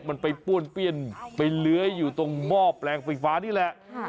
มันไปป้วนเปี้ยนไปเลื้อยอยู่ตรงหม้อแปลงไฟฟ้านี่แหละ